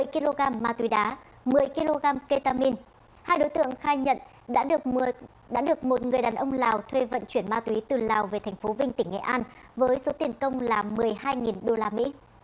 một mươi kg ma túy đá một mươi kg ketamin hai đối tượng khai nhận đã được một người đàn ông lào thuê vận chuyển ma túy từ lào về tp vinh tỉnh nghệ an với số tiền công là một mươi hai usd